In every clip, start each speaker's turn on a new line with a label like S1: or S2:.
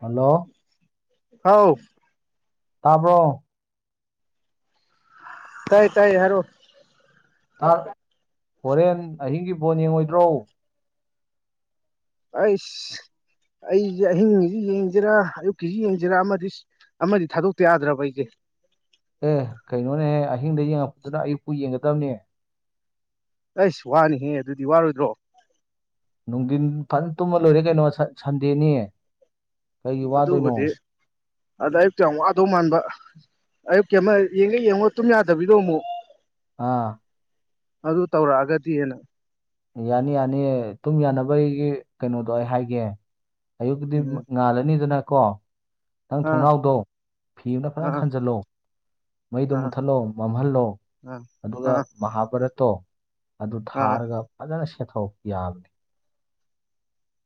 S1: Hello
S2: ꯍꯥꯎ
S1: ꯇꯥꯕ‌꯭ꯔꯣ
S2: ꯇꯥꯏ ꯇꯥꯏ ꯍꯥꯏꯔꯛꯑꯣ
S1: ꯇꯥꯠ ꯍꯣꯔꯦꯟ ꯑꯍꯤꯡꯒꯤ ꯕꯣꯟ ꯌꯦꯡꯉꯣꯏꯗ꯭ꯔꯣ
S2: ꯑꯩꯁ ꯑꯩꯖꯦ ꯑꯍꯤꯡꯒꯤꯖꯦ ꯌꯦꯡꯖꯤꯔꯥ ꯑꯌꯨꯛꯀꯤꯖꯤ ꯌꯦꯡꯖꯤꯔꯥ ꯑꯃꯗꯤ ꯑꯃꯗꯤ ꯊꯥꯗꯣꯛꯇ ꯌꯥꯗ꯭ꯔꯕ ꯑꯩꯖꯦ
S1: ꯑꯦ ꯀꯩꯅꯣꯅꯦꯍꯦ ꯑꯍꯤꯡꯗ ꯌꯦꯡꯉꯛꯄꯗꯨꯅ ꯑꯌꯨꯛꯄꯨ ꯌꯦꯡꯒꯗꯕꯅꯤ
S2: ꯑꯩꯁ ꯋꯥꯅꯤꯍꯦ ꯑꯗꯨꯗꯤ ꯋꯥꯔꯣꯏꯗ꯭ꯔꯣ
S1: ꯅꯨꯡꯗꯤꯟ ꯐꯖꯅ ꯇꯨꯝꯃ ꯂꯣꯏꯔꯦ ꯀꯩꯅꯣ ꯁꯠ ꯁꯟꯗꯦꯅꯤ ꯀꯩꯒꯤ ꯋꯥꯗꯣꯏꯅꯣ
S2: ꯑꯗꯨꯕꯨꯗꯤ ꯑꯗ ꯑꯌꯨꯛꯇ ꯌꯥꯝ ꯋꯥꯗꯧ ꯃꯥꯟꯕ ꯑꯌꯨꯛꯀꯤ ꯑꯃ ꯌꯦꯡꯒꯩ ꯌꯦꯡꯉꯨꯔ ꯇꯨꯝ ꯌꯥꯗꯕꯤꯗꯣ ꯑꯃꯨꯛ
S1: ꯑꯥ
S2: ꯑꯗꯨ ꯇꯧꯔꯛꯑꯒꯗꯤꯅ
S1: ꯌꯥꯅꯤ ꯌꯥꯅꯤ ꯇꯨꯝ ꯌꯥꯅꯕꯒꯤ ꯀꯩꯅꯣꯗꯣ ꯑꯩ ꯍꯥꯏꯒꯦ ꯑꯌꯨꯛꯗꯤꯟ
S2: ꯎꯝ
S1: ꯉꯥꯜꯂꯅꯤꯗꯅ ꯀꯣ ꯅꯪ
S2: ꯑꯥ
S1: ꯊꯣꯡꯅꯥꯎꯗꯣ ꯐꯤ ꯑꯃꯅ ꯐꯖꯅ
S2: ꯑꯥ
S1: ꯈꯟꯖꯜꯂꯣ ꯃꯩꯗꯣ
S2: ꯑꯥ
S1: ꯃꯨꯠꯊꯠꯂꯣ ꯃꯝꯍꯜꯂꯣ
S2: ꯑꯥ
S1: ꯑꯗꯨꯒ
S2: ꯑꯥ
S1: ꯃꯍꯥꯚꯥꯔꯠꯇꯣ ꯑꯗꯨ
S2: ꯑꯥ
S1: ꯊꯥꯔꯒ ꯐꯖꯅ ꯁꯦꯊꯧ ꯌꯥꯕꯅꯤ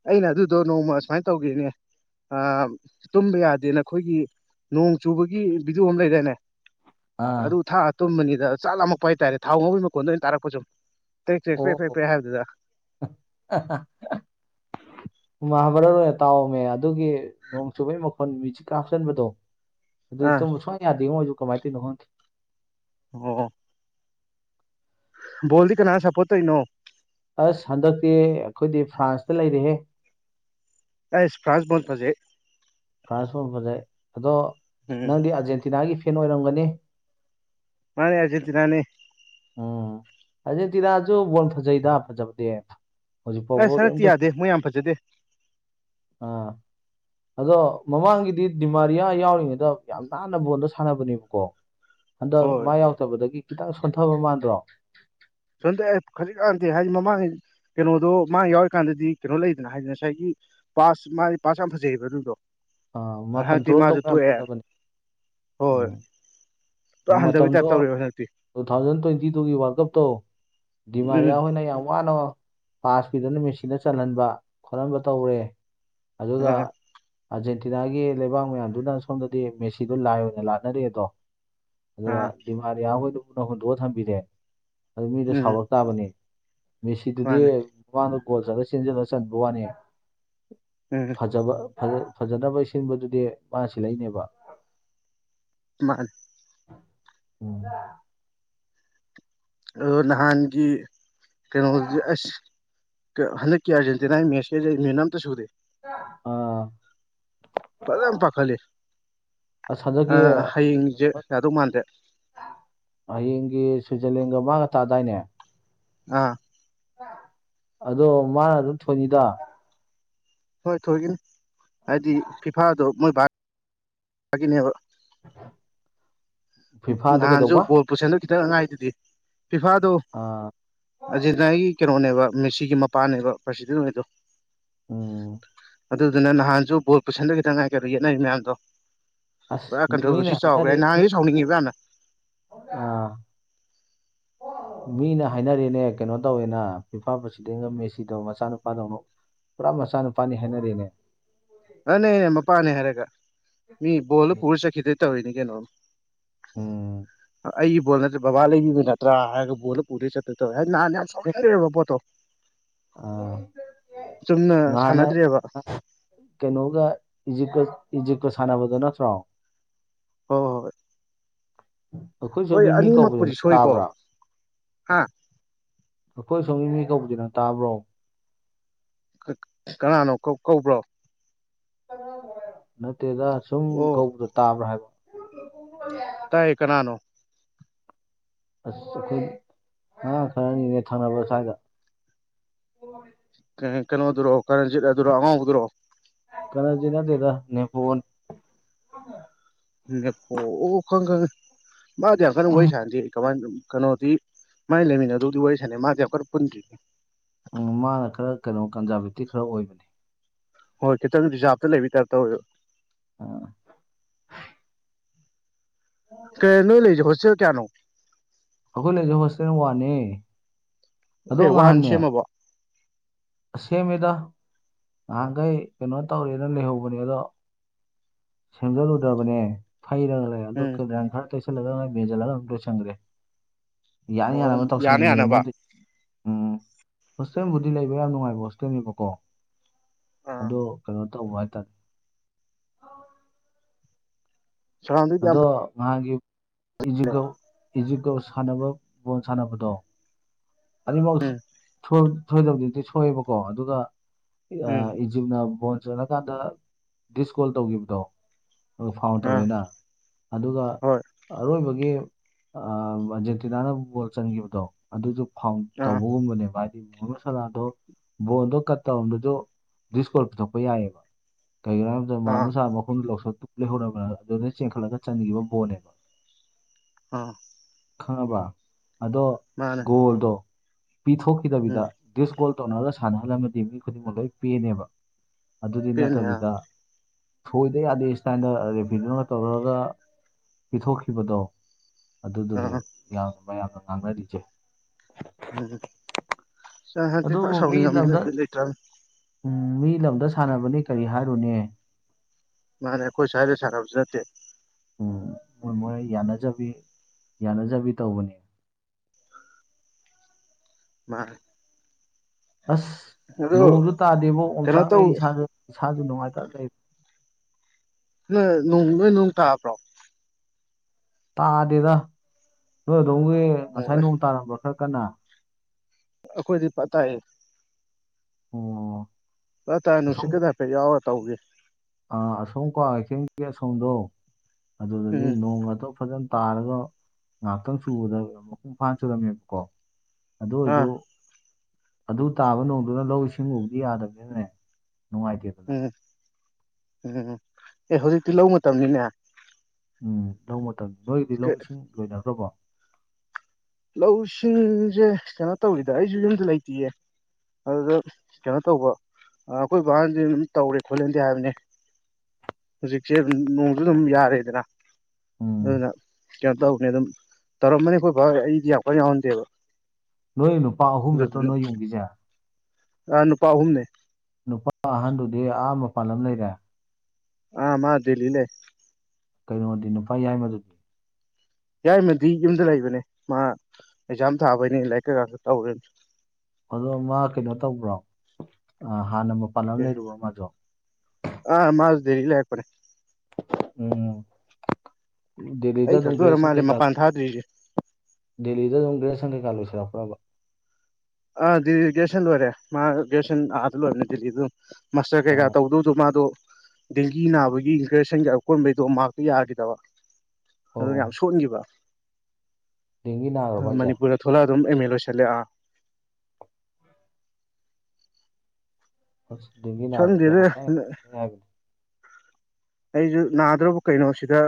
S2: ꯑꯩꯅ ꯑꯗꯨꯗꯣ ꯅꯣꯡꯃ ꯁꯨꯃꯥꯏ ꯇꯧꯒꯤꯅꯦ ꯑꯥꯝ ꯇꯨꯝꯕ ꯌꯥꯗꯦꯅ ꯑꯩꯈꯣꯏꯒꯤ ꯅꯣꯡ ꯆꯨꯕꯒꯤ ꯚꯤꯗꯤꯑꯣ ꯑꯃ ꯂꯩꯗꯥꯏꯅꯦ
S1: ꯑꯥ
S2: ꯑꯗꯨ ꯊꯥꯔ ꯇꯨꯝꯕꯅꯤꯗ ꯆꯥꯛ ꯂꯝꯃꯛꯄ ꯍꯥꯏꯇꯥꯔꯦ ꯊꯥꯎ ꯉꯧꯕꯩ ꯃꯈꯣꯟꯗꯣ ꯑꯣꯏꯅ ꯇꯥꯔꯛꯄ ꯁꯨꯝ track track track track track ꯍꯥꯏꯕꯗꯨꯗ
S1: ꯃꯍꯥꯕꯥꯔꯠ ꯑꯣꯏꯅ ꯇꯥꯎꯑꯝꯃꯤ ꯑꯗꯨꯒꯤ ꯅꯣꯡ ꯆꯨꯕꯩ ꯃꯈꯣꯟ ꯃ꯭ꯌꯨꯖꯤꯛꯀ ꯍꯥꯞꯆꯟꯕꯗꯣ ꯑꯗꯨꯗꯤ
S2: ꯑꯥ
S1: ꯇꯨꯝꯕ ꯁꯨꯡꯌꯥ ꯌꯥꯗꯦꯉꯣ ꯑꯩꯖꯨ ꯀꯃꯥꯏ ꯇꯧꯏꯅꯣ ꯈꯪꯗꯦ
S2: ꯑꯣ ꯕꯣꯜꯗꯤ ꯀꯅꯥꯗ ꯁꯞꯄꯣꯔ꯭ꯠ ꯇꯩꯏꯅꯣ
S1: ꯑꯁ ꯍꯟꯗꯛꯇꯤ ꯑꯩꯈꯣꯏꯗꯤ ꯐ꯭ꯔꯥꯟꯁꯇ ꯂꯩꯔꯦꯍꯦ
S2: ꯑꯩꯁ ꯐ꯭ꯔꯥꯟꯁ ꯕꯣꯟ ꯐꯖꯩ
S1: ꯐ꯭ꯔꯥꯟꯁ ꯐꯣꯟ ꯐꯖꯩ ꯑꯗꯣ
S2: ꯎꯝ
S1: ꯅꯪꯗꯤ ꯑꯥꯔꯖꯦꯟꯇꯤꯅꯥꯒꯤ ꯐꯦꯟ ꯑꯣꯏꯔꯝꯒꯅꯤ
S2: ꯃꯥꯅꯦ ꯑꯥꯔꯖꯦꯟꯇꯤꯅꯥꯅꯦ
S1: ꯎꯝ ꯑꯥꯔꯖꯦꯟꯇꯤꯅꯥꯖꯨ ꯕꯣꯟ ꯐꯖꯩꯗ ꯐꯖꯕꯗꯤ ꯍꯧꯖꯤꯛ
S2: ꯑꯁ
S1: ꯐꯥꯎꯕ
S2: ꯍꯟꯗꯛꯇꯤ
S1: ꯀꯔꯤꯝꯇ
S2: ꯌꯥꯗꯦ ꯃꯣꯏ ꯌꯥꯝ ꯐꯖꯗꯦ
S1: ꯑꯥ ꯑꯗꯣ ꯃꯃꯥꯡꯒꯤꯗꯤ ꯗꯤꯃꯥꯔꯤꯌꯥ ꯌꯥꯎꯔꯤꯉꯩꯗ ꯌꯥꯝ ꯅꯥꯟꯅ ꯕꯣꯜꯗꯣ ꯁꯥꯟꯅꯕꯅꯦꯕꯀꯣ ꯍꯟꯗꯛ
S2: ꯍꯣꯏ
S1: ꯃꯥ ꯌꯥꯎꯔꯛꯇꯕꯗꯒꯤ ꯈꯤꯇꯪ ꯁꯣꯟꯊꯕ ꯃꯥꯟꯗ꯭ꯔꯣ
S2: ꯁꯣꯟꯗꯩꯑꯩ ꯈꯖꯤꯛ ꯈꯔꯥꯛ ꯅꯠꯇꯦ ꯍꯥꯏꯖꯦ ꯃꯃꯥꯡꯒꯤ ꯀꯩꯅꯣꯗꯣ ꯃꯥ ꯌꯥꯎꯔꯤꯀꯥꯟꯗꯗꯤ ꯀꯩꯅꯣ ꯂꯩꯗꯅ ꯍꯥꯏꯗꯤ ꯉꯁꯥꯏꯒꯤ ꯄꯥꯁ ꯃꯥꯒꯤ ꯄꯥꯁ ꯌꯥꯝ ꯐꯖꯩꯑꯕ ꯑꯗꯨꯗꯣ
S1: ꯑꯥ
S2: ꯑ
S1: ꯃꯥ
S2: ꯍꯟꯗꯛꯇꯤ
S1: ꯀꯟꯇ꯭ꯔꯣꯜ
S2: ꯃꯥꯖꯨ
S1: ꯇꯧꯕ ꯌꯥꯝ
S2: ꯇꯣꯛꯑꯦ
S1: ꯐꯖꯕꯅꯦ
S2: ꯍꯣꯏ
S1: ꯎꯝ
S2: ꯄꯨꯔꯥ ꯍꯟꯗꯕꯩ ꯇꯥꯏꯞ
S1: ꯃꯇꯝꯗꯣ
S2: ꯇꯧꯔꯦꯕ ꯍꯟꯗꯛꯇꯤ
S1: ꯇꯨ ꯊꯥꯎꯖꯟ ꯇ꯭ꯋꯦꯟꯇꯤ ꯇꯨꯒꯤ ꯋꯥꯜ ꯀꯞꯇꯣ
S2: ꯎꯝ
S1: ꯗꯤꯃꯥꯔꯤꯌꯥ ꯍꯣꯏꯅ ꯌꯥꯝ ꯋꯥꯅ ꯄꯥꯁ ꯄꯤꯗꯅ ꯃꯦꯁꯤꯗ ꯆꯜꯍꯟꯕ ꯈꯣꯠꯍꯟꯕ ꯇꯧꯔꯦ ꯑꯗꯨꯒ
S2: ꯑꯥ
S1: ꯑꯥꯔꯖꯦꯟꯇꯤꯅꯥꯒꯤ ꯂꯩꯕꯥꯛ ꯃꯌꯥꯝꯗꯨꯅ ꯁꯣꯝꯗꯗꯤ ꯃꯦꯁꯤꯗꯣ ꯂꯥꯏ ꯑꯣꯏꯅ ꯂꯥꯠꯅꯔꯦꯗꯣ ꯑꯗꯨꯒ
S2: ꯑꯥ
S1: ꯗꯤꯃꯥꯔꯤꯌꯥ ꯈꯣꯏꯗꯨꯕꯨꯅ ꯍꯨꯟꯗꯣꯛꯑ ꯊꯝꯕꯤꯔꯦ ꯑꯗꯨ ꯃꯤꯗꯣ
S2: ꯎꯝ
S1: ꯁꯥꯎꯔꯛ ꯇꯥꯕꯅꯤ ꯃꯦꯁꯤꯗꯨꯗꯤ
S2: ꯃꯥꯅꯦ
S1: ꯁꯨꯃꯥꯡꯗ ꯒꯣꯜ ꯆꯜꯂ ꯆꯦꯟꯖꯤꯜꯂ ꯆꯟꯕ ꯋꯥꯅꯤ
S2: ꯎꯝ
S1: ꯐꯖꯕ ꯐꯖ ꯐꯖꯅꯕꯩ ꯁꯤꯟꯕꯗꯨꯗꯤ ꯃꯥꯅ ꯁꯤꯂꯛꯏꯅꯦꯕ
S2: ꯃꯥꯅꯦ
S1: ꯎꯝ
S2: ꯅꯍꯥꯟꯒꯤ ꯀꯩꯅꯣꯗꯨꯇꯤ ꯑꯁ ꯍꯟꯗꯛꯀꯤ ꯑꯔꯖꯦꯟꯇꯤꯅꯥ ꯃꯦꯁ ꯁꯤꯇꯤ ꯃꯤꯍꯨꯟ ꯑꯝꯇ ꯁꯨꯗꯦ
S1: ꯑꯥ
S2: ꯐꯖꯅ ꯄꯥꯈꯠꯂꯤ
S1: ꯑꯁ
S2: ꯑ
S1: ꯍꯟꯗꯛꯀꯤ
S2: ꯍꯌꯦꯡꯖꯦ ꯌꯥꯎꯗꯧ ꯃꯥꯟꯗ꯭ꯔꯦ꯫
S1: ꯍꯌꯦꯡꯒꯤ ꯁ꯭ꯋꯤꯖꯔꯂꯦꯟꯒ ꯃꯥꯒ ꯇꯥꯗꯥꯏꯅꯦ꯫
S2: ꯑꯥ
S1: ꯑꯗꯣ ꯃꯥꯅ ꯑꯗꯨꯝ ꯊꯣꯏꯅꯤꯗ
S2: ꯍꯣꯏ ꯊꯣꯏꯒꯅꯤ ꯍꯥꯏꯗꯤ ꯐꯤꯐꯥꯗꯣ ꯃꯣꯏ ꯚ ꯅꯦꯕ
S1: ꯐꯤꯐꯥꯗꯣ
S2: ꯅꯍꯟꯁꯨ
S1: ꯀꯩꯗꯧꯕ
S2: ꯕꯥꯜ [unintelligible] ꯐꯤꯐꯥꯗꯣ
S1: ꯑ
S2: ꯑꯔꯒꯦꯟꯇꯤꯅꯥꯒꯤ ꯀꯩꯅꯣꯅꯦꯕ ꯃꯦꯁꯤꯒꯤ ꯃꯄꯥꯅꯦꯕ ꯄ꯭ꯔꯁꯤꯗꯦꯟ ꯑꯣꯏꯗꯣ꯫
S1: ꯎꯝ
S2: ꯑꯗꯨꯗꯨꯅ ꯅꯍꯥꯟꯁꯨ ꯕꯣꯜ ꯄꯨꯁꯤꯟꯗꯧ ꯈꯤꯇꯪ ꯉꯥꯏ ꯅꯍꯟꯗ ꯌꯦꯠꯅꯔꯤ ꯃꯌꯥꯝꯗꯣ꯫
S1: ꯑꯁ
S2: ꯄꯨꯔꯥ
S1: ꯃꯤꯅ
S2: ꯀꯟꯊ꯭ꯔꯣꯕꯔꯁꯤ ꯆꯥꯎꯈ꯭ꯔꯦ
S1: ꯍꯥꯏꯅꯔꯦ ꯃꯤ
S2: ꯅꯍꯥꯟꯒꯤꯗꯨ ꯁꯨꯥꯎꯅꯤꯡꯉꯕ ꯌꯥꯝꯅ꯫
S1: ꯑꯥ ꯃꯤꯅ ꯍꯥꯏꯅꯔꯦꯅꯦ ꯀꯩꯅꯣ ꯇꯧꯋꯦꯅ ꯐꯤꯐ ꯄ꯭ꯔꯁꯤꯗꯦꯟꯒ ꯃꯦꯁꯤꯗꯣ ꯃꯆꯥꯅꯨꯄꯥꯗꯧꯅ ꯄꯨꯔꯥ ꯃꯆꯥ ꯅꯨꯄꯥꯅꯤ ꯍꯥꯏꯅꯔꯦꯅꯦ꯫
S2: ꯃꯥꯅꯦ ꯃꯄꯥꯅꯦ ꯍꯥꯏꯔꯒ ꯃꯤ ꯕꯣꯜꯗꯨ ꯄꯨꯔ ꯆꯠꯈꯤꯗꯣꯏ ꯇꯧꯔꯤꯅꯤ ꯀꯩꯅꯣ꯫
S1: ꯑꯣ
S2: ꯑꯩꯒꯤ ꯕꯣꯜ ꯅꯥꯠꯇꯔ ꯕꯕꯥ ꯂꯩꯕꯤꯕ ꯅꯠꯇ꯭ꯔꯥ ꯍꯥꯏꯔꯒꯥ ꯕꯣꯜꯗ ꯄꯨꯗꯣꯏ ꯆꯠꯇꯣꯏ ꯇꯧꯋꯦ ꯅꯍꯥꯟ ꯌꯥꯝꯅꯥ ꯁꯧꯅꯤꯡꯍꯜꯂꯦꯕ ꯄꯣꯠꯇꯣ꯫
S1: ꯑ
S2: ꯆꯨꯝꯅ
S1: ꯉꯍꯟ
S2: ꯁꯥꯟꯅꯗ꯭ꯔꯦꯕ
S1: ꯀꯩꯅꯣꯒ ꯏꯖꯤꯞꯀ ꯏꯖꯤꯞꯀ ꯁꯥꯟꯅꯕꯗꯣ ꯅꯠꯇ꯭ꯔꯣ꯫
S2: ꯍꯣꯏ ꯍꯣꯏ
S1: ꯑꯩꯈꯣꯏ
S2: ꯍꯣꯏ
S1: ꯁꯣꯝꯒꯤ ꯃꯤ ꯀꯧꯕꯗꯨ
S2: ꯑꯅꯤꯃꯛꯄꯨꯗꯤ
S1: ꯅꯪ
S2: ꯁꯣꯏꯀꯣ
S1: ꯇꯥꯕ꯭ꯔꯥ
S2: ꯍꯥ
S1: ꯑꯩꯈꯣꯏ ꯁꯣꯝꯒꯤ ꯃꯤ ꯀꯧꯄꯁꯤ ꯇꯥꯕ꯭ꯔꯣ
S2: ꯀꯅꯥꯅꯣ ꯀꯧꯕ꯭ꯔꯣ
S1: ꯅꯠꯇꯦꯗ ꯁꯨꯝ
S2: ꯑꯣ
S1: ꯀꯧꯕꯗ ꯇꯥꯕ꯭ꯔꯥ ꯍꯥꯏꯕ
S2: ꯇꯥꯏ ꯀꯅꯥꯅꯣ꯫
S1: ꯑꯁ ꯑꯩꯈꯣꯏ ꯑꯥꯉꯥꯡ ꯈꯔꯅꯤꯅꯦ ꯊꯪꯅꯕ ꯁ꯭ꯋꯥꯏꯗ [unintelligible]
S2: ꯀꯩꯅꯣꯗꯨꯔꯣ ꯀꯔꯟꯖꯤꯠ ꯑꯗꯨꯔꯣ ꯑꯉꯥꯎꯕꯗꯨꯔꯣ꯫
S1: ꯀꯅꯥꯖꯤꯠ ꯅꯥꯠꯇꯦꯗ ꯅꯦ
S2: ꯅꯦꯞꯄꯣ ꯈꯪ ꯈꯪꯉꯦ ꯃꯥꯗꯤ ꯌꯥꯝ ꯀꯟꯅ ꯋꯥꯔꯤ ꯁꯥꯟꯅꯗꯦ ꯀꯃꯥꯏꯅ ꯀꯩꯅꯣꯗꯤ ꯃꯥꯏ ꯂꯩꯃꯤꯟꯅꯗꯨꯗꯤ ꯋꯥꯔꯤ ꯁꯥꯟꯅꯩ ꯃꯥꯗꯤ ꯌꯥꯝꯀꯟ ꯄꯨꯟꯗꯔꯤ꯫
S1: ꯎꯝ ꯃꯥꯅ ꯈꯔ ꯀꯩꯅꯣ ꯀꯟꯖꯥꯔꯕꯦꯇꯤꯞ ꯈꯔ ꯑꯣꯏꯕꯅꯤ꯫
S2: ꯍꯣꯏ ꯈꯤꯇꯪ ꯔꯤꯖꯥꯔꯞꯇ ꯂꯩꯕꯩ ꯇꯥꯏꯄ ꯇꯧꯑꯕꯥ꯫
S1: ꯑ
S2: ꯀꯩꯅꯣ ꯅꯣꯏ ꯂꯩꯖ ꯍꯣꯁꯇꯦꯜ ꯀꯌꯥꯅꯣ꯫
S1: ꯑꯩꯈꯣꯏꯅ ꯂꯩꯁꯦ ꯍꯣꯇꯦꯜ ꯋꯥꯟꯅꯦ꯫ ꯑꯗꯣ
S2: ꯑꯦ ꯋꯥꯟ
S1: ꯉꯍꯥꯟꯅꯦ
S2: ꯁꯦꯝꯃꯕꯣ
S1: ꯁꯦꯝꯃꯦꯗ ꯉꯍꯥꯛꯈꯩ ꯀꯩꯅꯣ ꯇꯧꯔꯦꯅ ꯂꯩꯍꯧꯕꯅꯦ ꯑꯗꯣ ꯁꯦꯝꯖꯤꯜꯂꯨꯗ꯭ꯔꯕꯅꯦ ꯐꯩꯔ ꯂꯩ
S2: ꯎꯝ
S1: ꯈꯁ ꯂ ꯦꯖꯣ ꯆꯪꯒ꯭ꯔꯦ [inaudible] ꯌꯥꯟ
S2: ꯑꯣ ꯑꯗꯨꯝ
S1: ꯌꯥꯅꯕ
S2: ꯌꯥꯅ
S1: ꯇꯧꯁꯤꯟꯕꯤꯅꯦꯕ
S2: ꯌꯥꯅꯕ
S1: ꯃꯣꯏꯗꯤ ꯎꯝ ꯍꯣꯁꯇꯦꯜꯕꯨꯗꯤ ꯂꯩꯕ ꯌꯥꯝ ꯅꯨꯡꯉꯥꯏꯕ ꯍꯣꯁꯇꯦꯜꯅꯦꯕꯀꯣ꯫
S2: ꯑꯥ
S1: ꯑꯗꯣ ꯀꯩꯅꯣ ꯇꯧꯕ ꯍꯥꯏꯇꯥꯔꯦ
S2: ꯁꯔꯥꯎꯟꯗꯤꯡꯗꯤ ꯌꯥꯝ
S1: ꯑꯗꯣ
S2: ꯐꯩ
S1: ꯅꯍꯥꯟꯒꯤ ꯏꯖꯤꯄꯀ ꯏꯖꯤꯄꯀ ꯁꯥꯟꯅꯕ ꯕꯣꯜ ꯁꯥꯟꯅꯕꯗꯣ ꯑꯅꯤꯃꯛ
S2: ꯎꯝ
S1: ꯁꯣꯏꯕꯕꯨꯗꯤ ꯁꯣꯏꯑꯕꯀꯣ ꯑꯗꯨꯒ
S2: ꯎꯝ
S1: ꯏꯖꯤꯞꯅ ꯕꯣꯜ ꯆꯠꯂꯀꯥꯟꯗ ꯗꯤꯁꯀꯣꯜ ꯇꯧꯒꯤꯕꯗꯣ ꯑꯗꯨ ꯐꯥꯎꯟ
S2: ꯑꯥ
S1: ꯇꯧꯋꯦꯅ ꯑꯗꯨꯒ
S2: ꯍꯣꯏ
S1: ꯑꯔꯣꯏꯕꯒꯤ ꯑꯟꯖꯦꯟꯇꯤꯅꯥꯅ ꯒꯣꯜ ꯆꯟꯈꯤꯕꯗꯣ ꯑꯗꯨꯁꯨ ꯐꯥꯎꯟ
S2: ꯑꯥ
S1: ꯇꯧꯕꯒꯨꯝꯕꯅꯦꯕ ꯁꯅꯥꯗꯣ ꯕꯣꯟꯗꯣ ꯀꯠ ꯇꯧꯔꯗꯨꯁꯨ ꯁꯀꯣ ꯄꯨꯊꯣꯛꯄ ꯌꯥꯏꯑꯕ ꯀꯩꯔꯥ ꯑꯗꯨ ꯃꯥ
S2: ꯑꯥ
S1: ꯃꯁꯥ ꯃꯈꯨꯝ ꯂꯧꯁ ꯂꯩꯍꯧꯔꯕ꯭ꯔꯥ ꯑꯗꯨꯅ ꯆꯦꯟꯈꯠꯂꯒ ꯆꯟꯈꯤꯕ ꯕꯣꯅꯦꯕ
S2: ꯑ
S1: ꯈꯪꯉꯕ꯭ꯔ ꯑꯗꯣ
S2: ꯃꯥꯅꯦ
S1: ꯒꯣꯜꯗꯣ ꯄꯤꯊꯣꯛꯈꯤꯗꯕꯤꯗ
S2: ꯎꯝ
S1: ꯗꯤꯁ ꯒꯣꯜ ꯇꯧꯅꯔꯒ ꯁꯥꯟꯅꯍꯜꯂꯝꯃꯗꯤ ꯃꯤ ꯈꯨꯗꯤꯡꯃꯛ ꯂꯣꯏ ꯄꯦꯅꯦꯕ ꯑꯗꯨꯗꯤ
S2: ꯄꯦꯟꯅꯤ ꯑꯥ
S1: ꯅꯠꯇꯕꯤꯗ ꯊꯣꯏꯗ ꯌꯥꯗꯦ ꯁꯥꯏꯗ ꯔꯦꯚꯤꯅꯌꯨ ꯇꯧꯔꯒ ꯄꯤꯊꯣꯛꯈꯤꯕꯗꯣ
S2: ꯑꯥ
S1: ꯑꯗꯨꯗꯨꯅꯦꯕ ꯌꯥꯝꯅ ꯃꯌꯥꯝꯅ ꯉꯥꯡꯅꯔꯤꯁꯦ
S2: ꯎꯝ ꯑꯩ ꯍꯟꯗꯛꯇ
S1: ꯑꯗꯨꯕꯨ
S2: ꯐꯥꯥ
S1: ꯃꯤ ꯂꯝꯗ
S2: ꯁꯥꯎꯅꯤꯡꯉꯃꯦꯗ ꯕꯤꯠ ꯂꯩꯇꯔꯕꯅꯦ
S1: ꯎꯝ ꯃꯤ ꯂꯝꯗ ꯁꯥꯟꯅꯕꯅꯤ ꯀꯔꯤ ꯍꯥꯏꯔꯨꯅꯦ
S2: ꯃꯥꯅꯦ ꯑꯩꯈꯣꯏ ꯁ꯭ꯋꯥꯏꯗ ꯁꯥꯟꯅꯕꯁꯨ ꯅꯠꯇꯦ
S1: ꯎꯝ ꯃꯣꯏ ꯃꯣꯏ ꯌꯥꯅꯖꯕꯤ ꯌꯥꯅꯖꯕꯤ ꯇꯧꯕꯅꯦ
S2: ꯃꯅꯦ
S1: ꯑꯁ ꯅꯣꯡꯁꯨ ꯇꯥꯗꯦꯕꯣ
S2: ꯀꯩꯅꯣ ꯇꯧ
S1: ꯑꯣꯝꯆꯥꯛꯅꯩ ꯏꯁꯥꯖꯦ ꯏꯁꯥꯁꯨ ꯅꯨꯡꯉꯥꯏꯇ ꯂꯩꯕ
S2: ꯅ ꯅꯣꯡ ꯅꯣꯏ ꯅꯣꯡ ꯇꯥꯕ꯭ꯔꯣ
S1: ꯇꯥꯗꯦꯗ ꯅꯣꯏ ꯑꯗꯣꯝꯒꯤ
S2: ꯑꯣ
S1: ꯉꯁꯥꯏ
S2: ꯑꯦ
S1: ꯅꯣꯡ ꯇꯥꯔꯝꯕ꯭ꯔꯣ ꯈꯔ ꯀꯟꯅ
S2: ꯑꯩꯈꯣꯏꯗꯤ ꯇꯥꯏꯌꯦ
S1: ꯑꯣ
S2: ꯑ
S1: ꯑꯁꯣꯝ
S2: ꯇꯥꯏꯅꯅꯨꯡꯁꯤꯛꯗ ꯍꯥꯏꯐꯦꯠ ꯌꯥꯎꯔ ꯇꯧꯒꯦ
S1: ꯑꯥ ꯑꯁꯣꯝ ꯀꯣ ꯏꯊꯦꯡꯒꯤ ꯑꯁꯣꯝꯗꯣ ꯑꯗꯨꯗꯗꯤ
S2: ꯎꯝ
S1: ꯅꯣꯡꯥꯗꯣ ꯐꯖꯅ ꯇꯥꯔꯒ ꯉꯥꯏꯍꯥꯛꯇꯪ ꯆꯨꯕꯗ ꯃꯄꯨꯡ ꯐꯥꯅ ꯆꯨꯔꯝꯃꯦꯕꯀꯣ ꯑꯗꯨ
S2: ꯑꯥ
S1: ꯑꯣꯏꯁꯨ ꯑꯗꯨ ꯇꯥꯕ ꯅꯣꯡꯗꯨꯅ ꯂꯧ ꯏꯁꯤꯡ ꯎꯕꯗꯤ ꯌꯥꯗꯕꯅꯤꯅꯅꯦ ꯅꯨꯡꯉꯥꯏꯇꯦꯕ
S2: ꯎꯝ ꯎꯝ ꯑꯦ ꯍꯧꯖꯤꯛꯇꯤ ꯂꯧ ꯃꯇꯝꯅꯤꯅꯦ
S1: ꯎꯝ ꯂꯧ ꯃꯇꯝ ꯅꯣꯏꯒꯤꯗꯤ ꯂꯧ ꯏꯁꯤꯡ ꯂꯣꯏꯅꯈ꯭ꯔꯕꯣ
S2: ꯂꯧꯁꯤꯡꯖꯦ ꯀꯩꯅꯣ ꯇꯧꯔꯤꯗ ꯑꯩꯁꯨ ꯌꯨꯝꯗ ꯂꯩꯇꯦꯌꯦ ꯑꯗꯨꯗ ꯀꯩꯅꯣ ꯇꯧꯕ ꯑꯩꯈꯣꯏ ꯕꯍꯥꯟꯗꯤ ꯑꯗꯨꯝ ꯇꯧꯔꯦ ꯈꯣꯠꯍꯦꯟꯗꯦ ꯍꯥꯏꯕꯅꯤ ꯍꯧꯖꯤꯛꯁꯦ ꯅꯣꯡꯁꯨ ꯑꯗꯨꯝ ꯌꯥꯔꯦꯗꯅ
S1: ꯎꯝ
S2: ꯑꯗꯨꯅ ꯀꯩꯅꯣ ꯇꯧꯕꯅꯦ ꯑꯗꯨꯝ ꯇꯧꯔꯝꯃꯅꯤ ꯑꯩꯈꯣꯏ ꯐꯥꯎ ꯑꯩꯗꯤ ꯌꯥꯝ ꯀ ꯌꯥꯎꯍꯟꯗꯦꯕ
S1: ꯅꯣꯏ ꯅꯨꯄꯥ ꯑꯍꯨꯝ ꯅꯠꯇ꯭ꯔꯣ ꯅꯣꯏ ꯌꯨꯝꯒꯤꯁꯦ
S2: ꯑ ꯅꯨꯄꯥ ꯑꯍꯨꯝꯅꯦ
S1: ꯅꯨꯄꯥ ꯑꯍꯟꯗꯨꯗꯤ ꯑꯍꯥ ꯃ ꯄꯥꯟꯂꯝ ꯂꯩꯔꯦ
S2: ꯑ ꯃꯥꯗꯦ ꯏꯅꯦ
S1: ꯀꯩꯅꯣꯗꯤ ꯅꯨꯄꯥ ꯌꯥꯏꯃꯗꯨꯗ
S2: ꯌꯥꯔꯤꯃꯗꯤ ꯌꯨꯝꯗ ꯂꯩꯕꯅꯦ ꯃꯥ ꯑꯦꯛꯖꯥꯝ ꯊꯥꯕꯩꯅꯦ ꯂꯥꯏꯔꯤꯛ ꯀꯩꯀꯥ ꯇꯧꯔꯅꯤ
S1: ꯑꯗꯣ ꯃꯥ ꯀꯩꯅꯣ ꯇꯧꯕ꯭ꯔꯣ ꯍꯥꯟꯅ ꯃꯄꯥꯟ ꯑꯃ ꯂꯩꯔꯨꯕ꯭ꯔꯣ ꯃꯥꯗꯣ
S2: ꯑꯥ ꯃꯥꯁꯗꯔꯤꯒ ꯂꯩꯔꯦ
S1: ꯎꯝ ꯂꯤꯗ
S2: ꯑꯩ ꯈꯛꯇ ꯑꯣꯏꯔ
S1: ꯑꯗꯨꯒ꯭ꯔꯦꯁꯁꯦ
S2: ꯃꯥꯜꯂꯦ
S1: ꯀ
S2: ꯃꯄꯥꯟ ꯊꯥꯗ꯭ꯔꯤꯁꯦ
S1: ꯗꯦꯜꯂꯤꯗ ꯑꯗꯨꯝ ꯒ꯭ꯔꯦ ꯁꯪ ꯀꯩ ꯀꯥ ꯂꯣꯏꯁꯤꯔꯛꯄ꯭ꯔꯕ
S2: ꯑꯗꯤ ꯦꯁꯟ ꯂ ꯑꯣꯏꯔꯦ ꯃꯥ ꯦꯁꯟ ꯍꯥꯥꯇ ꯂ ꯑꯣꯏꯔꯅꯤꯗꯤ ꯑꯗꯨ ꯃꯥꯁꯇꯔ ꯀꯩꯀꯥ
S1: ꯑꯥ
S2: ꯇꯧꯗꯧꯗꯣ ꯃꯥꯗꯣ ꯗꯦꯡꯒꯤ ꯅꯥꯕꯒꯤ ꯏꯟꯐꯦꯛꯁꯟꯒꯤ ꯑꯀꯣꯟꯕꯩꯗꯣ ꯃꯍꯥꯛꯥꯛꯇ ꯌꯥꯈꯤꯗꯕ ꯑꯗꯨ ꯌꯥꯝ
S1: ꯑꯣ
S2: ꯁꯣꯟꯈꯤꯕ
S1: ꯗꯦꯡꯒꯤ ꯅꯥꯈ꯭ꯔꯕ ꯍꯥꯏꯁꯦ
S2: ꯃꯅꯤꯄꯨꯔꯗ ꯊꯣꯛꯂꯛ ꯑꯗꯨꯝ ꯑꯦꯝ ꯑꯦꯜ ꯂꯣꯏꯁꯤꯜꯂꯦꯥ
S1: ꯑ ꯗꯃꯤꯅꯝꯁꯦ
S2: ꯈꯪꯗꯦꯗ ꯑꯩꯁꯨ ꯅꯥꯗ꯭ꯔꯣꯕ ꯀꯩꯅꯣꯁꯤꯗ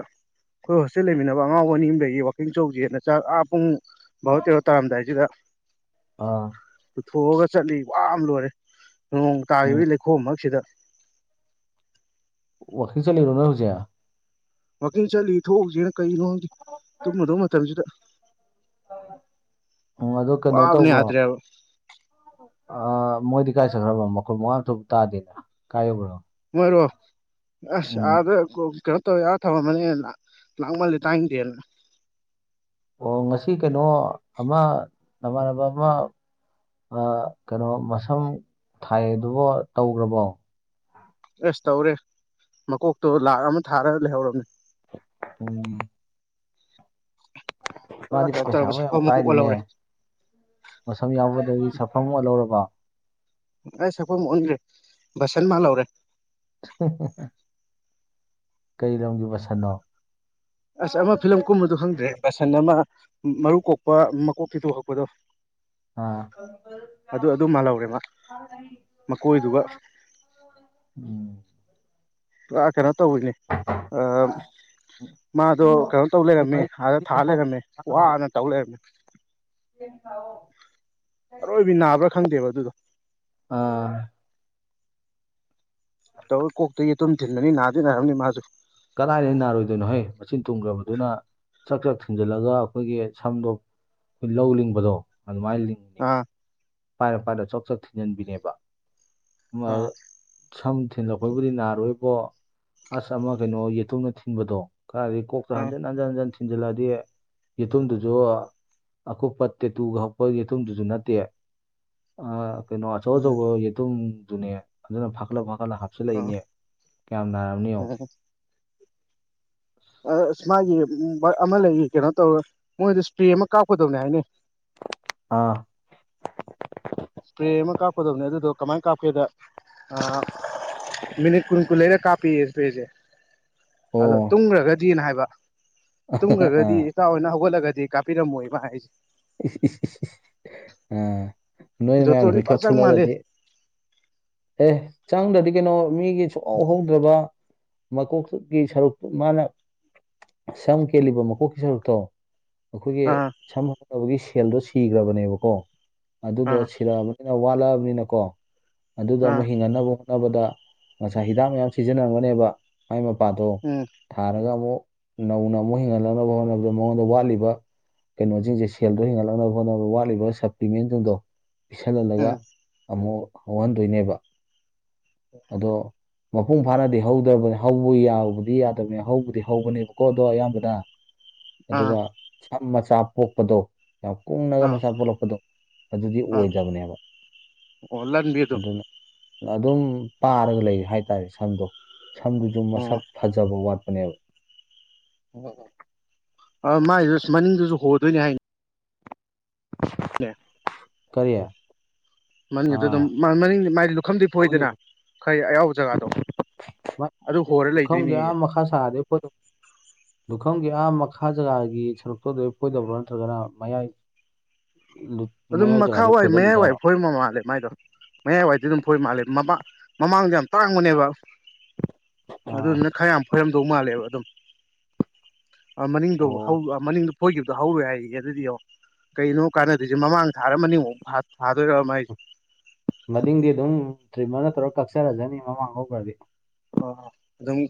S2: ꯑꯩꯈꯣꯏ ꯍꯣꯁꯇꯦꯜ ꯂꯩꯃꯤꯟꯅꯕ ꯑꯉꯥꯎꯕ ꯑꯅꯤꯑꯝꯂꯩꯌꯦ ꯋꯥꯛꯀꯤꯡ ꯆꯧꯖꯦꯅ ꯆꯥꯛ ꯑꯥ ꯄꯨꯡ ꯕꯥꯔꯣ ꯇꯦꯔꯣ ꯇꯥꯔꯝꯗꯥꯏꯁꯤꯗ
S1: ꯑꯥ
S2: ꯄꯨꯊꯣꯛꯑꯒ ꯆꯠꯂꯤ ꯋꯥ ꯂꯣꯏꯔꯦ ꯅꯣꯡ
S1: ꯎꯝ
S2: ꯇꯥꯈꯤꯕꯒꯤ ꯂꯩꯈꯣꯝ ꯃꯔꯛꯁꯤꯗ
S1: ꯋꯥꯀꯤꯡ ꯆꯠꯂꯤꯔꯣ ꯅꯣꯏ ꯍꯧꯖꯤꯛ
S2: ꯋꯥꯛꯀꯤꯡ ꯆꯠꯂꯤ ꯊꯣꯛꯎꯁꯤꯅ ꯀꯩꯒꯤꯅꯣ ꯈꯪꯗꯦ ꯇꯨꯝꯃꯗꯧ ꯃꯇꯝꯁꯤꯗ
S1: ꯎꯝ ꯑꯗꯨ ꯀꯩꯅꯣ
S2: ꯋꯥꯕꯅ
S1: ꯇꯧꯕ꯭ꯔꯣ
S2: ꯌꯥꯗ꯭ꯔꯦꯕ
S1: ꯑ ꯃꯣꯏꯗꯤ ꯀꯥꯏ ꯆꯠꯈ꯭ꯔꯕ ꯃꯈꯣꯟ ꯃꯋꯥꯒꯁꯨ ꯑꯝ ꯇꯥꯗꯦꯅ ꯀꯥꯏ ꯌꯧꯒ꯭ꯔꯕ
S2: ꯃꯣꯢꯔꯣ ꯑꯁ ꯑꯗ ꯇꯣ ꯌꯥ ꯊꯝꯃꯝꯃꯅꯤꯅꯦ ꯂꯥꯡꯃꯜꯂꯤ ꯇꯥꯏꯗꯦꯅ
S1: ꯑꯣ ꯉꯁꯤ ꯀꯩꯅꯣ ꯑꯃ ꯅꯃꯥꯟꯅꯕ ꯑꯃ ꯀꯩꯅꯣ ꯃꯁꯝ ꯊꯥꯏꯗꯨꯕꯨ ꯇꯧꯈ꯭ꯔꯕꯣ
S2: ꯑꯦꯁ ꯇꯧꯔꯦ ꯃꯀꯣꯛꯇꯣ ꯂꯥꯛ ꯑꯃ ꯊꯥꯔꯒ ꯂꯩꯍꯧꯔꯝꯅꯦ
S1: ꯎꯝ
S2: ꯄꯨꯔꯥ
S1: ꯃꯥꯗꯤ
S2: ꯀꯩꯅꯣ ꯇꯧꯔꯕ
S1: ꯄꯩꯁꯥꯕꯨ ꯌꯥꯝ
S2: ꯁꯛꯐꯝ ꯑꯃ
S1: ꯄꯥꯏꯔꯤꯅꯦ
S2: ꯑꯣꯜꯍꯧꯔꯦ
S1: ꯃꯁꯝ ꯌꯥꯎꯕꯗꯒꯤ ꯁꯛꯐꯝ ꯑꯣ ꯂꯧꯔꯕꯣ
S2: ꯑꯩ ꯁꯛꯐꯝ ꯑꯣꯟꯒ꯭ꯔꯦ ꯕꯁꯟ ꯃꯥꯜꯍꯧꯔꯦ
S1: [unintelligible] ꯀꯩ ꯂꯝꯒꯤ ꯕꯁꯟꯅꯣ
S2: ꯑꯁ ꯑꯃ ꯐꯤꯂꯝ ꯀꯨꯝꯕꯗꯨ ꯈꯪꯗ꯭ꯔꯍꯦ ꯕꯁꯟ ꯑꯃ ꯃꯔꯨ ꯀꯣꯛꯄ ꯃꯀꯣꯛ ꯇꯦꯇꯨ ꯍꯛꯄꯗꯣ
S1: ꯑ
S2: ꯑꯗꯨ ꯑꯗꯨ ꯃꯥꯜꯂꯧꯔꯦ ꯃꯥ ꯃꯀꯣꯏꯗꯨꯒ
S1: ꯎꯝ
S2: ꯄꯨꯔꯥ ꯀꯩꯅꯣ ꯇꯧꯏꯅꯤ ꯑꯥ ꯃꯥꯗꯣ ꯀꯩꯅꯣ ꯇꯧ
S1: ꯑꯩ
S2: ꯂꯩꯔꯝꯃꯧ
S1: ꯑꯩ
S2: ꯑꯗ ꯊꯥ
S1: ꯆꯦꯛꯀꯣꯛ
S2: ꯂꯩꯔꯝꯃꯤ
S1: ꯆꯥꯒꯗꯧ.
S2: ꯋꯥꯅ ꯇꯧ ꯂꯩꯔꯝꯃꯤ ꯑꯔꯣꯏꯕꯤ ꯅꯥꯕ꯭ꯔꯥ ꯈꯪꯗꯦꯕ ꯑꯗꯨꯗꯣ
S1: ꯑꯥ
S2: ꯇꯧꯕꯨꯗꯤ ꯀꯣꯛꯇ ꯌꯦꯇꯨꯝ ꯊꯤꯟꯕꯅꯤ ꯅꯥꯗꯤ ꯅꯥꯔꯝꯅꯤ ꯃꯥꯁꯨ
S1: ꯀꯗꯥꯏꯗꯩ ꯅꯥꯔꯣꯏꯗꯣꯏꯅꯣ ꯍꯦ ꯃꯆꯤꯟ ꯊꯨꯡꯒ꯭ꯔꯕꯗꯨꯅ ꯆꯥꯛ ꯆꯥꯛ ꯊꯤꯡꯖꯤꯜꯂꯒ ꯑꯩꯈꯣꯏꯒꯤ ꯁꯝꯗꯣ ꯑꯩꯈꯣꯏ ꯂꯧ ꯂꯤꯡꯕꯗꯣ ꯑꯗꯨꯃꯥꯏꯅ ꯂꯤꯡ
S2: ꯑꯥ
S1: ꯄꯥꯏꯔ ꯄꯥꯏꯔ ꯆꯣꯛ ꯆꯣꯠ ꯊꯤꯟꯖꯤꯟꯕꯤꯅꯦꯕ
S2: ꯑꯥ
S1: ꯁꯝ ꯊꯤꯂꯛꯄꯩꯕꯨꯗꯤ ꯅꯥꯔꯣꯏꯕꯣ ꯑꯁ ꯑꯃ ꯀꯩꯅꯣ ꯌꯦꯇꯨꯝꯅ ꯊꯤꯟꯕꯗꯣ ꯀꯥꯏꯗꯩ ꯀꯣꯛꯇ
S2: ꯑꯥ
S1: ꯍꯟꯖꯤꯟ ꯍꯟ ꯍꯟꯖꯟ ꯍꯟꯖꯟ ꯊꯤꯟꯖꯤꯜꯂꯛꯑꯗꯤ ꯌꯦꯇꯨꯝꯗꯨꯁꯨ ꯑꯀꯨꯞꯄ ꯇꯦꯇꯨꯒ ꯍꯛꯄ ꯍꯦꯇꯨꯝꯗꯨꯖꯨ ꯅꯠꯇꯦ ꯑ ꯀꯩꯅꯣ ꯑꯆꯧ
S2: ꯎꯝ
S1: ꯑꯆꯧꯕ ꯌꯦꯇꯨꯝꯗꯨꯅꯦ ꯑꯗꯨꯅ ꯐꯥꯒꯠꯂ ꯐꯒꯠꯂ ꯍꯥ ꯁꯤ
S2: ꯑꯥ
S1: ꯂꯩꯅꯦ ꯀꯌꯥꯝ ꯅꯥꯔꯝꯅꯤꯌꯦꯡꯉꯣ
S2: ꯑꯥ ꯑꯁ ꯃꯥꯒꯤ ꯑꯃ ꯂꯩꯔꯤ ꯀꯩꯅꯣ ꯇꯧꯔꯒ ꯃꯣꯏꯗꯣ ꯏꯁꯄ꯭ꯔꯦ ꯑꯃ ꯀꯥꯞꯀꯗꯕꯅꯤ ꯍꯥꯏꯅꯦ
S1: ꯑꯥ
S2: ꯏꯁꯄ꯭ꯔꯦ ꯑꯃ ꯀꯥꯞꯀꯗꯕꯅꯦ ꯑꯗꯨꯗꯣ ꯀꯃꯥꯏꯅ ꯀꯥꯞꯀꯦꯗ ꯑ ꯃꯤꯅꯤꯠ ꯀꯨꯟ ꯀꯨꯟ ꯂꯩꯔ ꯀꯥꯞꯄꯤꯌꯦ ꯏꯁꯄ꯭ꯔꯦꯁꯦ
S1: ꯑꯣ
S2: ꯑꯗꯣ ꯇꯨꯝꯈ꯭ꯔꯒꯗꯤꯅ ꯍꯥꯏꯕ ꯇꯨꯝꯈ꯭ꯔꯒꯗꯤ
S1: ꯑꯥ
S2: ꯏꯇꯥꯎ ꯑꯣꯏꯅ ꯍꯧꯒꯠꯂꯒꯗꯤ ꯀꯥꯄꯤꯔꯝꯃꯣꯏꯌꯦ ꯃꯥ ꯍꯥꯏꯁꯤ
S1: ꯏꯁ ꯏꯁ ꯏꯁ ꯏꯂ ꯅꯣꯏ ꯃꯌꯥꯝꯅ
S2: ꯖꯣꯇꯣꯟꯗꯤ
S1: ꯃꯤꯀꯞ
S2: ꯐꯖ ꯆꯪ ꯃꯥꯜꯂꯦ
S1: ꯊꯣꯛꯂꯛꯑꯒꯗꯤ ꯑꯦ ꯆꯪꯗ꯭ꯔꯗꯤ ꯀꯩꯅꯣ ꯃꯤꯒꯤ ꯁꯨꯍꯧ ꯍꯧꯗ꯭ꯔꯕ ꯃꯀꯣꯛꯇꯨꯒꯤ ꯁꯔꯨꯛꯇꯨ ꯃꯥꯅ ꯁꯝ ꯀꯦꯜꯂꯤꯕ ꯃꯀꯣꯛꯀꯤ ꯁꯔꯨꯛꯇꯣ ꯑꯩꯈꯣꯏꯒꯤ
S2: ꯑꯥ
S1: ꯁꯝ ꯍꯧꯅꯕꯒꯤ ꯁꯦꯜꯗꯣ ꯁꯤꯈ꯭ꯔꯕꯅꯦꯕꯀꯣ ꯑꯗꯨꯗꯣ
S2: ꯑꯥ
S1: ꯁꯤꯔꯛꯑꯕꯅꯤ ꯅꯥ ꯋꯥꯠꯂꯛꯑꯕꯅꯤꯅꯀꯣ ꯑꯗꯨꯗꯣ
S2: ꯑꯥ
S1: ꯑꯃꯨꯛ ꯍꯤꯡꯒꯠꯅꯕ ꯍꯣꯠꯅꯕꯗ ꯉꯁꯥꯏ ꯍꯤꯗꯥꯛ ꯃꯌꯥꯝ ꯁꯤꯖꯤꯟꯅꯔꯝꯒꯅꯦꯕ ꯃꯥꯏ ꯃꯄꯥꯗꯣ
S2: ꯎꯝ
S1: ꯊꯥꯔꯒ ꯑꯃꯨꯛ ꯅꯧꯅ ꯑꯃꯨꯛ ꯍꯤꯡꯍꯜꯂꯛꯅꯕ ꯍꯣꯠꯅꯕꯗ ꯃꯉꯣꯟꯗ ꯋꯥꯠꯂꯤꯕ ꯑꯦꯅꯔꯖꯤꯖꯦ ꯁꯦꯜꯗꯣ ꯍꯦꯟꯉꯂꯛꯅꯕ ꯍꯣꯠꯅꯕ ꯋꯥꯠꯂꯤꯕ ꯁꯄ꯭ꯂꯤꯃꯦꯟꯁꯤꯡꯗꯣ ꯄꯤꯁꯟꯂꯝꯃꯒ
S2: ꯎꯝ
S1: ꯑꯃꯨꯛ ꯍꯧꯍꯟꯗꯣꯏꯅꯦꯕ ꯑꯗꯣ ꯃꯄꯨꯡ ꯐꯥꯅꯗꯤ ꯍꯧꯗꯕꯅꯦ ꯍꯧꯕ ꯌꯥꯕꯕꯨꯗꯤ ꯌꯥꯗꯕꯅꯤ ꯍꯧꯕꯨꯗꯤ ꯍꯧꯕꯅꯦꯕꯀꯣ ꯑꯗꯣ ꯑꯌꯥꯝꯕꯅ
S2: ꯑꯥ
S1: ꯑꯗꯨꯒ ꯁꯝ ꯃꯆꯥ ꯄꯣꯛꯄꯗꯣ ꯌꯥꯝ ꯀꯨꯡꯅꯒ
S2: ꯑꯥ
S1: ꯃꯆꯥ ꯄꯣꯛꯂꯛꯄꯗꯣ ꯑꯗꯨꯗꯤ
S2: ꯑꯥ
S1: ꯑꯣꯏꯗꯕꯅꯦꯕ
S2: ꯑꯣ ꯂꯟꯕꯤ ꯑꯗꯨꯝ
S1: ꯑꯗꯨꯅ ꯑꯗꯨꯝ ꯄꯥꯔꯒ ꯂꯩ ꯍꯥꯏꯇꯥꯔꯦ ꯁꯝꯗꯣ ꯁꯝꯗꯨꯁꯨ
S2: ꯑꯣ
S1: ꯃꯁꯛ ꯐꯖꯕ ꯋꯥꯠꯄꯅꯦꯕ꯫
S2: ꯑꯣ ꯑꯣ ꯑ ꯃꯥꯏꯗꯨ ꯃꯅꯤꯡꯗꯨꯁꯨ ꯍꯣꯗꯣꯏꯅꯤ ꯍꯥꯏꯅꯤ꯫
S1: [unintelligible]
S2: [unintelligible]
S1: ꯀꯔꯤ
S2: ꯃꯅꯤꯡꯒꯤ
S1: ꯑꯥ
S2: ꯑꯗꯨ ꯑꯗꯨꯝ ꯃꯅꯤꯡꯗꯤ ꯃꯥꯒꯤ ꯂꯨꯈꯝꯗꯤ ꯐꯣꯏꯗꯅ
S1: ꯐꯨꯒꯤꯕ
S2: ꯈꯔ ꯑꯌꯥꯎꯕ ꯖꯒꯥꯗꯣ ꯑꯗꯨ
S1: [unintelligible]
S2: ꯍꯣꯔ
S1: ꯂꯨꯈꯝꯒꯤ
S2: ꯂꯩꯗꯣꯏꯅꯦꯌꯦ
S1: ꯑꯥ ꯃꯈꯥ ꯁꯥꯗꯦ [unintelligible] ꯂꯨꯈꯝꯒꯤ ꯑꯥ ꯃꯈꯥ ꯖꯒꯥꯒꯤ ꯁꯔꯨꯛꯇꯣ ꯑꯗꯩ ꯄꯨꯟꯗꯕ꯭ꯔꯣ ꯅꯠꯇ꯭ꯔꯒꯅ ꯃꯌꯥꯏ [unintelligible]
S2: ꯑꯗꯨꯝ ꯃꯈꯥ
S1: ꯖꯒꯥꯗꯩ
S2: ꯋꯥꯏ ꯃꯌꯥꯏ ꯋꯥꯏ
S1: ꯐꯣꯏꯗꯠꯂꯤꯖꯥꯠꯂꯣ
S2: ꯐꯣꯏꯕ ꯃꯥꯜꯂꯦ ꯃꯥꯏꯗꯣ ꯃꯌꯥꯏꯋꯥꯏꯗꯤ ꯑꯗꯨꯝ ꯐꯣꯏ ꯃꯥꯜꯂꯦ ꯃ ꯃꯃꯥꯡꯗꯣ ꯌꯥꯝ ꯇꯥꯡꯕꯅꯦꯕ
S1: ꯑꯥ
S2: ꯑꯗꯨꯗꯨꯅ ꯈꯔ ꯌꯥꯝ ꯐꯣꯏꯔꯝꯗꯧ ꯃꯥꯜꯂꯦꯕ ꯑꯗꯨꯝ ꯑ ꯃꯅꯤꯡꯗꯣ ꯍꯧ
S1: ꯑꯣ
S2: ꯃꯅꯤꯡꯗꯣ ꯐꯣꯏꯈꯤꯕꯗꯣ ꯍꯧꯔꯣꯏ ꯍꯥꯏꯌꯦꯌꯦ ꯑꯗꯨꯗꯤ ꯌꯦꯡꯉꯣ ꯀꯔꯤꯅꯣ ꯀꯥꯟꯅ ꯑꯗꯨꯏꯁꯦ ꯃꯃꯥꯡ ꯊꯥꯔꯃꯅꯤꯃꯨꯛ ꯊꯥꯗꯣꯏꯔ ꯃꯥꯏꯁꯦ
S1: ꯃꯅꯤꯡꯗꯤ ꯑꯗꯨꯝ ꯇ꯭ꯔꯤꯃꯔꯅ ꯇꯧꯔꯒ ꯀꯛꯆꯔꯖꯅꯤ ꯃꯃꯥꯡ ꯂꯧꯒ꯭ꯔꯗꯤ
S2: ꯑꯣ ꯑꯗꯨꯝ